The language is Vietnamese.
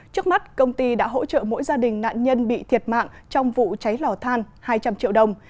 trước mắt công ty đã hỗ trợ mỗi gia đình nạn nhân bị thiệt mạng trong vụ cháy lò than hai trăm linh triệu đồng